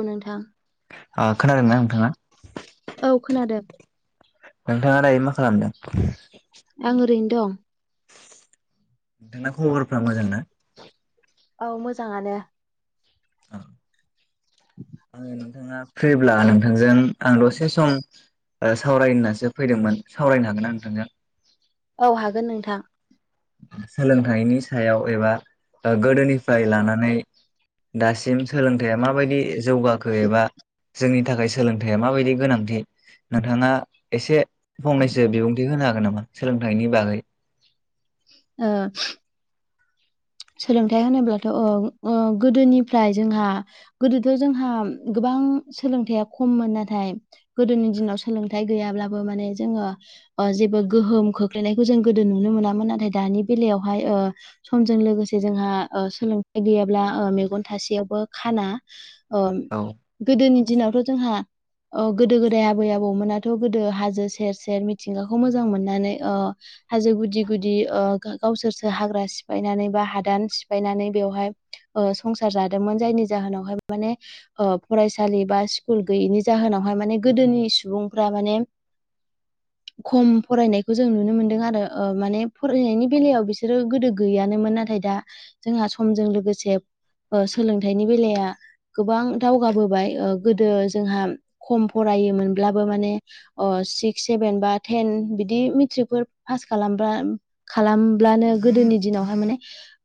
औ नोंथां खोनादों ना नोंथाङा औ खोनादों नोंथाङालाय मा खालामदों आं ओरैनो दं नोंथोंना खबरफ्रा मोजां ना औ मोजाङानो आ आङो नोंथाङा फ्रिब्ला नोंथांजों आं दसे सम ओ सावरायनो होननासो फैदोंमोन सावरायनो हागोन ना नोंथांजों औ हागोन नोंथां सोलोंथाइनि सायाव एबा ओ गोदोनिफ्राय लानानै दासिम सोलोंथाइया माबायदि जौगाखो एबा जोंनि नि थाखाय सोलोंथाइया माबायदि गोनांथि नोंथाङा एसे फंनैसो बिबुंथि होनो हागोन नामा सोलोंथाइनि बागै ओ सोलोंथाइ होनोब्लाथ' ओ गोदोनिफ्राय जोंहा गोदोथ' जोंहा गोबां गोबां सोलोंथाइया खममोन नाथाय गोदोनि दिनाव सोलोंथाइ गैयाब्लाबो माने जोङो जेबो गोहोम खोख्लैनायखौ जों गोदो नुनो मोनामोन नाथाय दानि बेलायावहाय ओ समजों लोगोसे जोंहा ओ सोलोंथाइ गैयाब्ला मेगन थासेयावबो खाना ओ औ गोदोनि दिनावथ' जोंहा ओ गोदो गोदाय आबै आबौमोनाथ' गोदो हाजो सेर सेर मिथिंगाखौ मोजां मोननानै हाजो गुदि गुदि ओ गावसोरसो हाग्रा सिफायनानै बा हा दान सिफायनानै बेवहाय ओ संसार जादोंमोन जायनि जाहोनावहाय माने फरायसालि बा स्कुल गैयिनि जाहोनाव हाय माने गोदोनि सुबुंफ्रा माने [inaudible] खम फरायनायखौ जों नुनो मोनदों आरो ओ माने फरायनायनि बेलायाव बिसोरो गोदो गैयानोमोन। नाथाय दा जोंहा समजों लोगोसे ओ सोलोंथाइनि बेलाया गोबां दावगाबोबाय गोदो जोंहा खम फराय योमोनब्लाबो माने सिक्स सेफेन बा तेन बिदि मेट्रिकफोर फास खालामब्ला खालामब्लानो गोदोनि दिनावहाय माने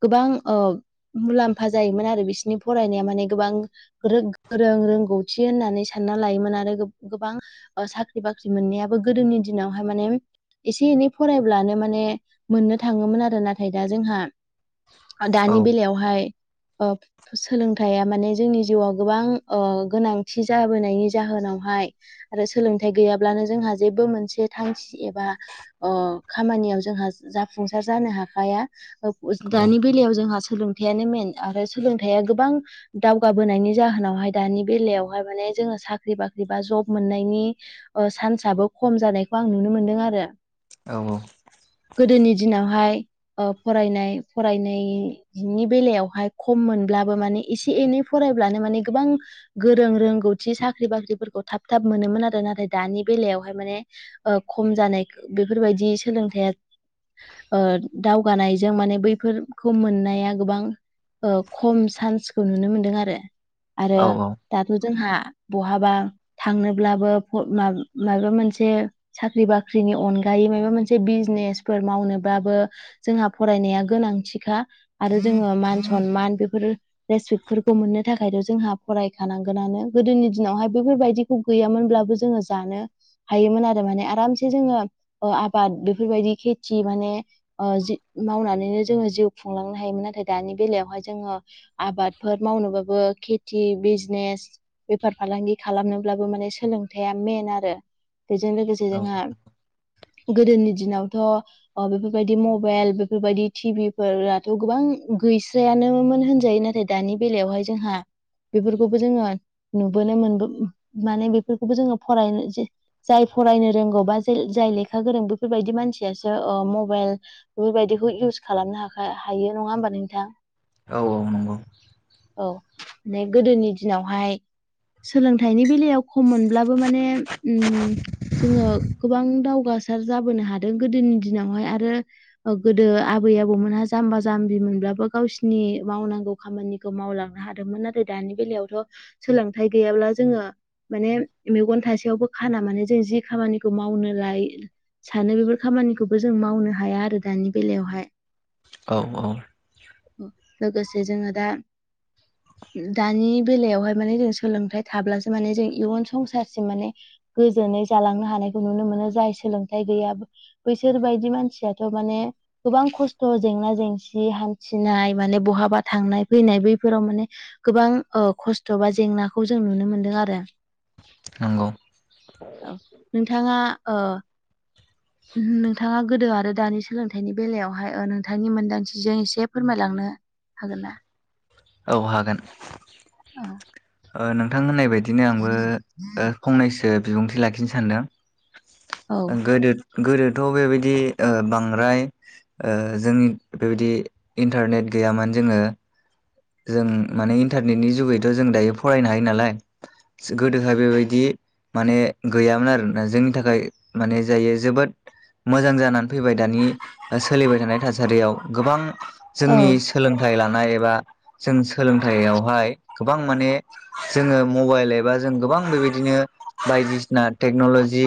गोबां ओ मुलाम्फा जायोमोन आरो बिसोरनि फरायनाया माने गोबां गोरों रोंगौथि होननानै सानो। सानना लायोमोन गोबां साख्रि बाख्रि मोननाय गोदोनि दिनावहाय माने एसे एनै फरायब्लानो माने मोननो थाङोमोन आरो। नाथाय दा जोंहा औ दानि बेलायावहाय सोलोंथाइया माने जोंनि जिउआव गोबां गोनांथि जाबोनायनि जाहोनाव आरो सोलोंथाइ गैयाबानो जोंहा जेबो मोनसे थांखि एबा खामानि याव जोंहा जाफुंसार जानो हाखाया ओ औ दानि बेलायाव जोंहा सोलोंथायानो मेन आरो सोलोंथाया गोबां दावगाबोनायनि जाहोनावहाय दानि बेलायावहाय माने जोङो साख्रि बाख्रि बा जब मोननायनि सान्साबो खम जानायखौ आं नुनो मोनदों आरो। औ गोदोनि दिनावहाय ओ फरायनाय फरायनायनि बेलायावहाय खम मोनब्लाबो माने एसे एनै फरायब्लानो माने गोबां गोरों रोंगौथि साख्रि बाख्रिफोरखौ थाब थाब मोनोमोन आरो नाथाय दानि बेलायावहाय माने खम जानाय बेफोरबायदि सोलोंथाया दावगानायजों माने बै बेफोरखौ मोननाया गोबां ओ खम सान्सखौ नुनो मोनदों आरो। आरो औ दाथ' जोंहा बहाबा थांनोब्लाबो माबा मोनसे साख्रि बाख्रिनि अनगायै यै माबा मोनसे बिजनेसफोर मावनोबाबो जोंहा फरायनाया गोनांथिखा आरो जोङो मान सनमान बेफोर रेसपेक्टफोरखौ मोननो थाखायथ' जोंहा फरायखानांगोनानो गोदोनि दिनावहाय बेफोरबायदिखौ गैयामोनब्लाबो जोङो जानो हायोमोन आरो माने आरामसे जोङो आबाद बेफोरबायदि खेथि माने जि मावनानैनो जोङो जिउ खुंलांनो हायोन नाथाय दानि बेलायावहाय जोङो आबादफोर मावनोबाबो खेथि बिजनेस बेफार फालांगि खालामनोब्लाबो माने सोलोंथाइा मेइन आरो बेजों लोगोसे जोंहा गोदोनि दिनावथ' बेफोरबायदि मबाइल बेफोरबायदि टिभि फोराथ' गोबां गैस्रायानोमोन होनजायो। नाथाय दानि बेलायावहाय जोंहा बेफोरखौबो जोङो नुबोनो मोनबो माने बेफोरखौबो जोङो फरायनो जाय फरायनो रोंगौ बा जाय लेखा गोरों बेफोरबायदि मानसियासो ओ मबाइल बेफोरबायदिखौ इउस खालामनो हाखा हायो नङा होमबा नोंथां? औ औ नंगौ औ गोदोनि दिनावहाय सोलोंथाइनि बेलायाव खम मोनब्लाबो माने ओम जोङो गोबां दाव गासार जाबोनो हादों गोदोनि दिनावहाय आरो गोदो आबै आबौमोनहा जाम्बा जाम्बि मोनब्लाबो गावसिनि मावनांगौ खामानिखौ मावलांनो हादोंमोन नाथाय दानि बेलायावथ' सोलोंथाइ गैयाब्ला जोङो माने मेगन थासेयावबो खाना माने जों जे खामानिखौ मावनो लायो सानो बेफोर खामानिखौबो जों मावनो हाया आरो दानि बेलायावहाय औ औ जे जोङो दा [inaudible] दानि बेलायावहाय माने जों सोलोंथाइ थाब्लासो माने जों इयुन संसारसिम माने गोजोन जालांनो हानायखौ नुनो मोनो जाय सोलोंथाइ गैया बैसोर बायदि मानसियाथ' माने गोबां खस्थ' जेंना जेंसि हान्थिनाय माने बहाबा थांनाय फैनाय बैफोराव माने गोबां खस्थ' बा जेंनाखौ जों नुनो मोनदों आरो नंगौ औ नोंथाङा ओ नोंथाङा गोदो आरो दानि सोलोंथाइनि बेलायावहाय नोंथांनि मोन्दांथिजों एसे फोरमायलांनो हागोन ना औ हागोन औ नोंथां होननाय बायदिनो आंबो फंनैसो बिबुंथि लाखिनो सानदों औ ओं गोदो गोदोथ' बेबायदि ओ बांद्राय जोंनि बेबायदि इन्टारनेट गैयामोन जोङो जों माने इन्टारनेटनि जुगैथ' जों दायो फरायनो हायो नालाय गोदोहाय बेबायदि माने गैयामोन आरोना जोंनि थाखाय माने जायो जोबोद मोजां जानानै फैबाय दानि सोलिबाय थानाय थासारियाव गोबां औ जोंनि सोलोंथाइ लानाय एबा जों सोलोंथाइयावहाय गोबां माने जोङो मबाइल एबा जों गोबां बेबायदिनो बायदिसिना टेक्नल'जि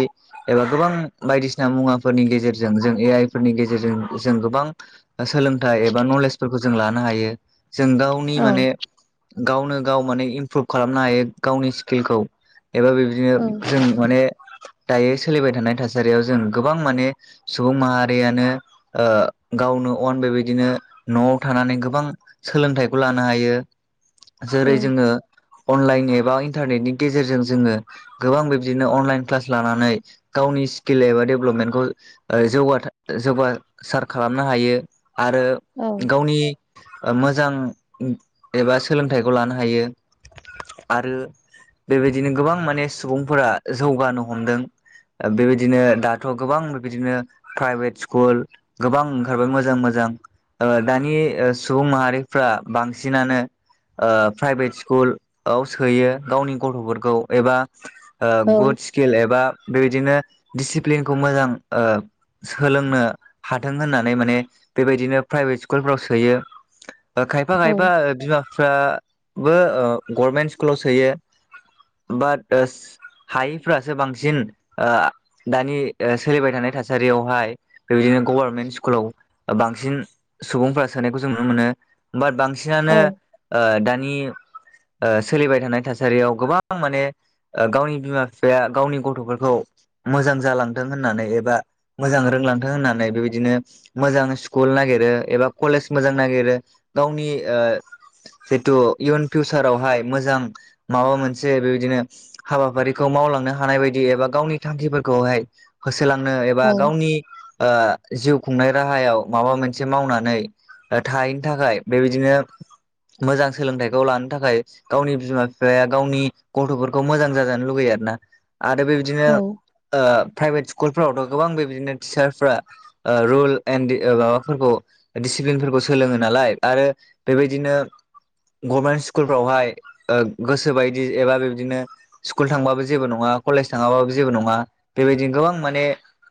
एबा गोबां बायदिसिना मुवाफोरनि गेजेरजों जों ए आइ फोरनि गेजेरजों जों गोबां सोलोंथाइ एबा नलेजफोरखौ जों लानो हायो जों गावनि माने औ गावनो गाव माने इमप्रुभ खालामनो हायो गावनि स्किलखौ एबा बे बादिनो दिनो जों माने दायो सोलिबाय थानाय थासारियाव जों गोबां माने सुबुं माहारियानो ओ गाव नो अन बेबायदिनो न'वाव थानानै गोबां सोलोंथाइखौ लानो हायो औ जेरै जोङो अनलाइन एबा इन्टारनेटनि गेजेरजों जोङो गोबां बिब्दिनो अनलाइन क्लास लानानै गाव गावनि स्किल एबा डेभेलपमेन्टखौ जौगासार खालामनो हायो आरो औ गावनि मोजां एबा सोलोंथाइखौ लानो हायो आरो बेबायदिनो गोबां माने सुबुंफोरा जौगानो हमदों बेबायदिनो दाथ' गोबां बेबायदिनो प्राइभेट स्कुल गोबां ओंखारबाय मोजां मोजां दानि ओ सुबुं माहारिफ्रा बांसिनानो ओ प्राइभेट स्कुलव सोयो गावनि गथ'फोरखौ एबा ओ औ गुड स्किल एबा बेबायदिनो दिसिप्लिनखौ मोजां सोलोंनो हाथों होननानै माने बेबायदिनो प्राइभेट स्कुलफ्राव सोयो खायफा औ खायफा बिमाफ्राबो गभर्नमेन्ट स्कुलाव सोयो बाट हायिफ्रासो बांसिन दानि सोलिबाय थानाय थासारियावहाय बेबायदिनो गभारनमेन्ट स्कुलाव बांसिन सुबुंफोरा सोनायखौ जों नुनो मोनो बाट बांसिन औ बांसिनानो दानि सोलिबाय थानाय थासारियाव गोबां माने गावनि बिमा बिफाया गावनि गथ'फोरखौ मोजां जालांथों होननानै एबा मोजां रोंलांथों होननानै बेबायदिनो मोजां स्कुल नागिर गिरो एबा कलेज मोजां नागिरो गावनि ओ जितु इयुन फिउचारावहाय मोजां माबा मोनसे बेबायदिनो हाबाफारिखौ माव लांनो हानाय एबा गावनि थांखिफोरखौ हाय सोलोंनो औ एबा गावनि ओ जिउ खुंनाय राहायाव माबा मोनसे मावनानै थाहैनो थाखाय बेबायदिनो मोजां सोलोंथाइखौ लानो थाखाय गावनि बिमा बिफाया गावनि गथ'फोरखौ मोजां जाजानो लुुबैया आर ना आरो बे बिदिनो प्राइभेट स्कुलफोरावथ' गोबां बेबायदिनो टिचार फोरा रुल एणड माबाफोरखौ दिसिप्लिनफोरखौ सोलोङो नालाय आरो बेबायदिनो गभर्नमेन्ट स्कुलफ्रावहाय ओ गोसो बायदि एबा बिबदिनो स्कुल थांबाबो जेबो नङा कलेज थाङाबाबो जेबो नङा बेबायदिनो गोबां माने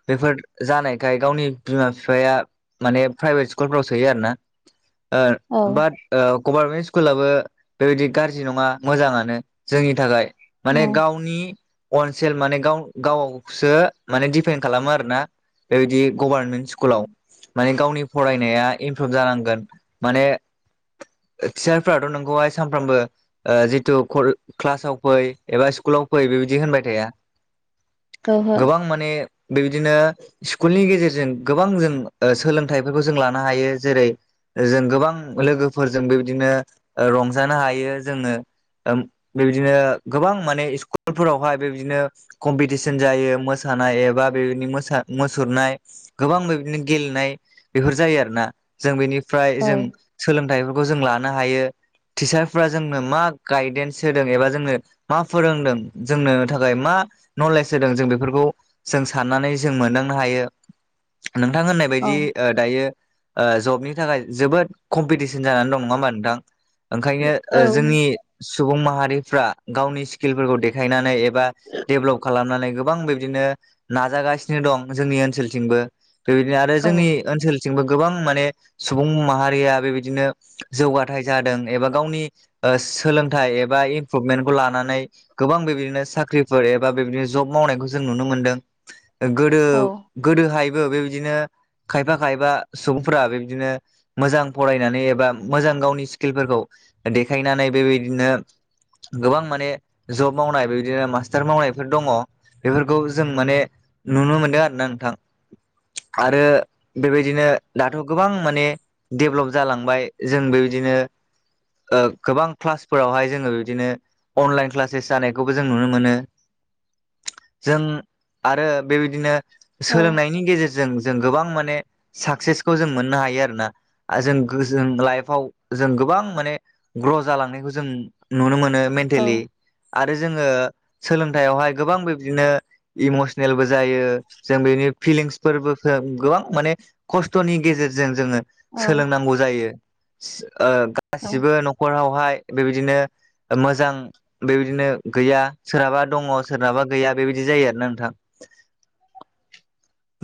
बेफोर जानायखाय गावनि बिमा बिफाया माने प्राइभेट सि स्कुलफ्राव सोयो आरोना औ बात गभरमेन स्कुलाबो बेबायदि गाज्रि नङा मोजाङानो जोंनि थाखाय माने गावनि अन सेलफ माने गाव गावावसो माने डिपेन्ड खालामो आरो ना बेबायदि गभार्नमेन्ट स्कुलाव माने गावनि फरायनाया इमप्रुभ जानांगोन माने टिचारफ्राथ' नोंखौहाय सानफ्रामबो जिथु क्लासाव फै एबा स्कुलाव फै बेबायदि होनबाय थाया ओहो गोबां माने बेबायदिनो स्कुलनि गेजेरजों गोबां जों सोलोंथाइफोरखौ जों लानो हायो जेरै जों गोबां लोगोफोरजों बेबायदिनो रंजानो हायो जोङो बेबायदिनो गोबां माने स्कुलफोरावहाय बेबायदिनो कम्पिटिसन जायो मोसा मोसानाय एबा बे बादिनो म मुसुरनाय गोबां बे बायदिनो गेलेनाय बेफोर जायो आरोना जों बेनिफ्राय औ जों सोलोंथाइफोरखौ जों लानो हायो टिचार फोरा जोंनो मा गायदेन्स होदों एबा जोंनो मा फोरोंदों जोंनो थाखाय मा नलेज होदों जों बेफोरखौ जों साननानै जों मोनदांनो हायो नोंथां होननाय औ बायदि ओ जबनि थाखाय जोबोद कम्पिटिसन जानानै दं नङा होमबा नोंथां ओंखायनो जोंनि सुबुं माहारिफ्रा गावनि स्किलफोरखौ देखायनानै एबा एबा देभेलप खालामनानै गोबां बिबदिनो नाजागासिनो दं जोंनि ओनसोलथिंबो बेबायदिनो आरो औ जोंनि ओनसोलथिंबो गोबां माने सुबुं माहारिया बेबायदिनो जौगाथाय जादों एबा गावनि सोलोंथाइ एबा इमप्रुभमेन्टखौ लानानै गोबां बेबायदिनो साख्रिफोर एबा बेबायदिनो जब मावनायखौ जों नुनो मोनदों गोदो औ गोदोहायबो बेबायदिनो खायफा खायफा सुबुंफोरा बेबदिनो मोजां फरायनानै एबा मोजां गावनि स्किलफोरखौ देखायनानै बेबायदिनो गोबां माने जब मावनाय बिदिनो मास्टार मावनायफोर दङ बेफोरखौ जों माने नुनो मोनदों आरोना नोंथां आरो बेबायदिनो दाथ' गोबां माने डेभेलप जालांबाय जों बेबायदिनो गोबां क्लासफोरावहाय जोङो बिदिनो अनलाइन क्लासेस जानायखौबो जों नुनो मोनो जों आरो बेबायदिनो सोलोंनायनि गेजेरजों जों गोबां मान माने साक्सेसखौ जों मोननो हायो आरोना जों जों लाइफआवव जों गोबां माने ग्र' जालांनायखौ जों नुनो मोनो मेन्टेलि औ आरो जोङो सोलोंथाइयावहाय गोबां बिब्दिनो इमसनेलबो जायो जों बेनि फिलिंसफोरबो गोबां माने खस्थ'नि गेजेरजों जोङो सोलोंनांगौ जायो ओ औ गासिबो न'खरावहाय बेबायदिनो मोजां बेबायदिनो गैया सोरहाबा दङ सोरनाबा गैया बेबायदि जायो आरोना नोंथां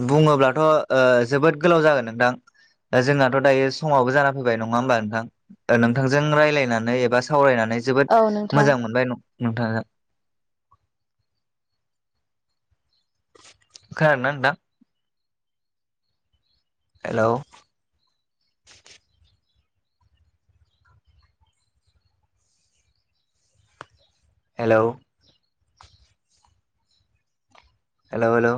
बुङोब्लाथ' ओ जोबोद गोलाव जागोन नोंथां जोंनाथ' दायो समावबो जाना फैबाय नङा होमबा नोंथां नोंथांजों रायज्लायनानै एबा सावरायनानै औ जोबोद नोंथां मोजां मोनबाय न नोंथांजों खोनादों ना नोंथां? Hello hello hello hello